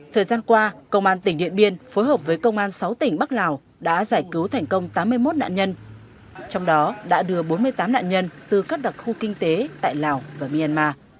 thời gian qua công an tỉnh điện biên đã đưa vào các đặc khu kinh tế tại lào và myanmar từ tháng bốn đến tháng bảy năm hai nghìn hai mươi ba vận đã lừa đưa ba đợt với chín nạn nhân